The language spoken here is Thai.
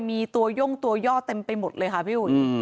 มีตัวย่งตัวย่อเต็มไปหมดเลยค่ะพี่อุ๋ย